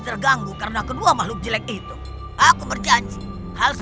ternyata itu adalah siluman harimau